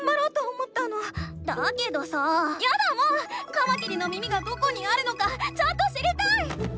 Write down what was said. カマキリの耳がどこにあるのかちゃんと知りたい！